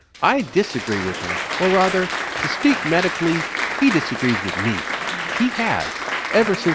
I disagree with him; or rather, to speak medically, he disagrees with me. He has, ever since.